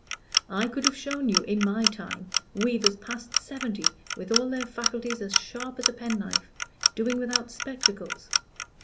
I could have shown you, in my time, weavers past seventy, with all their faculties as sharp as a pen knife, doing without spectacles.